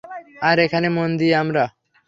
আর এখানে মন দিই আমরা।